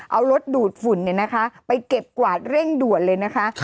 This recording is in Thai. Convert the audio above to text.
เอารถดูดฝุ่นไปเก็บกวาดเร่งด่วนเลยนะคะ